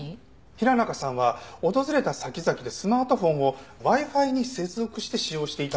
平中さんは訪れた先々でスマートフォンをＷｉ−Ｆｉに接続して使用していたんです。